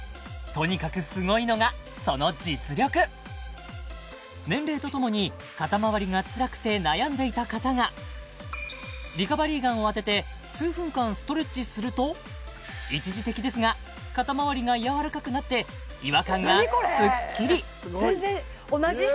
とにかくすごいのがその実力年齢とともに肩まわりがつらくて悩んでいた方がリカバリーガンを当てて数分間ストレッチすると一時的ですが肩まわりが柔らかくなって違和感がすっきり全然同じ人？